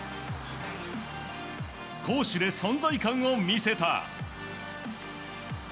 攻守で存在感を見せた。